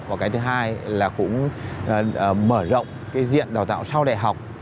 và cái thứ hai là cũng mở rộng cái diện đào tạo sau đại học